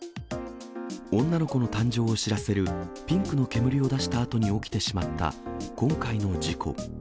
女の子の誕生を知らせるピンクの煙を出したあとに起きてしまった今回の事故。